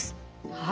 はい。